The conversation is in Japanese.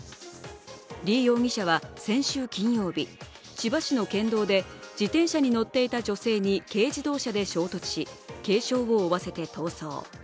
李容疑者は先週金曜日、千葉市の県道で自転車に乗っていた女性に軽自動車で衝突し軽傷を負わせて逃走。